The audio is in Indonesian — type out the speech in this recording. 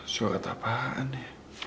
suara apaan ya